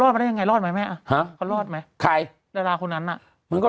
น่าราคุณเขารอดมันดัยยังไง